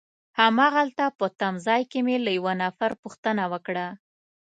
هماغلته په تمځای کي مې له یوه نفر پوښتنه وکړه.